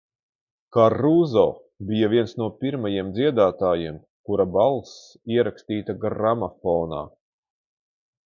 Karūzo bija viens no pirmajiem dziedātājiem, kura balss ierakstīta gramofonā.